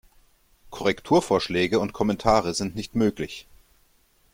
Korrekturvorschläge und Kommentare sind nicht möglich.